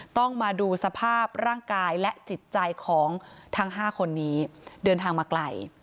ต้องมาดูสภาพร่างกายและจิตใจของทั้ง๕คนนี้เดินทางมาไกล